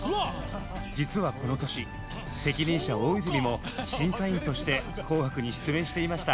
実はこの年責任者・大泉も審査員として「紅白」に出演していました。